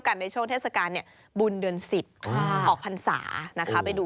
ข้างหลังก็สวยด้วย